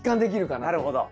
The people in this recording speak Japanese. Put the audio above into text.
なるほど。